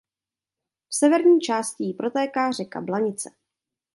V severní části jí protéká řeka Blanice.